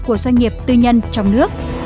của doanh nghiệp tư nhân trong nước